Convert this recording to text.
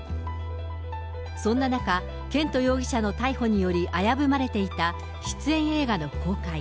そんな中、絢斗容疑者の逮捕により危ぶまれていた出演映画の公開。